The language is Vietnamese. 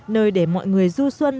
nơi để mọi người du xuân